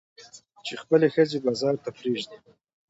چې خپلې ښځې بازار ته پرېږدي.